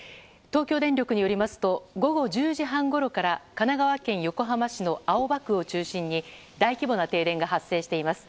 東京電力によりますと午後１０時半ごろから神奈川県横浜市の青葉区を中心に大規模な停電が発生しています。